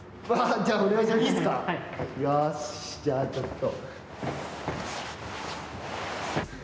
よし、じゃあ、ちょっと。